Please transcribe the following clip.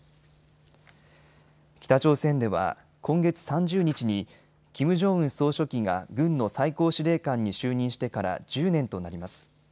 北朝鮮では今月３０日にキム・ジョンウン総書記が軍の最高司令官に就任してから１０年となります。